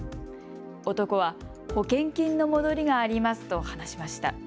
男は保険金の戻りがありますと話しました。